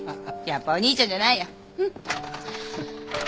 やっぱお兄ちゃんじゃないや。